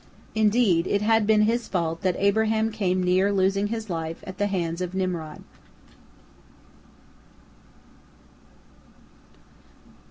Indeed, it had been his fault that Abraham came near losing his life at the hands of Nimrod.